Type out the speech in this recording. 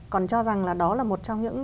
còn cho rằng là đó là một trong những